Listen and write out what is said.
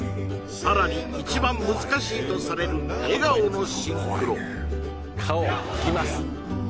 さらに一番難しいとされる笑顔のシンクロ顔きます